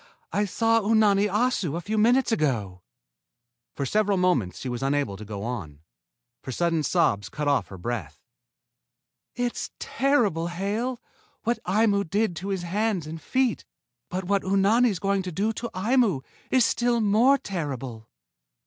I saw Unani Assu a few minutes ago." For several moments she was unable to go on, for sudden sobs cut off her breath. "It's terrible, Hale, what Aimu did to his hands and feet, but what Unani's going to do to Aimu is still more terrible."